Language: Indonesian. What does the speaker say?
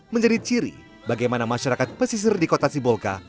menjadi ciri bagaimana masyarakat pesisir di kota sibolga